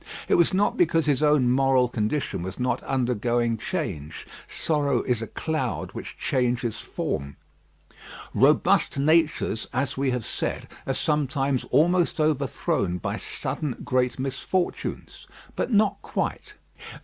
It was not because his own moral condition was not undergoing change. Sorrow is a cloud which changes form. Robust natures, as we have said, are sometimes almost overthrown by sudden great misfortunes; but not quite.